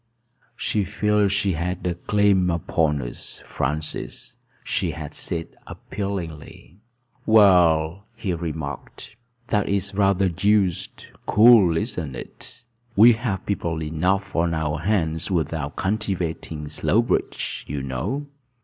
"She feels she has a claim upon us, Francis," she had said appealingly. "Well," he had remarked, "that is rather deuced cool, isn't it? We have people enough on our hands without cultivating Slowbridge, you know."